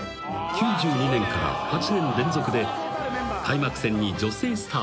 ［９２年から８年連続で開幕戦に女性スターを起用］